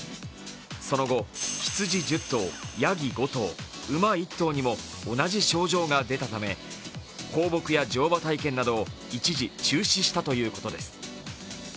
その後、羊１０頭、やぎ５頭、馬１頭にも同じ症状が出たため、放牧や乗馬体験などを一時中止したということです。